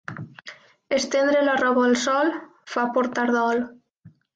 Estendre la roba al sol fa portar dol.